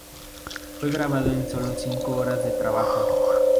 Fue grabado en sólo cinco horas de trabajo.